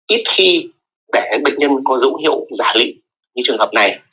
ít khi để bệnh nhân có dấu hiệu giả lý như trường hợp này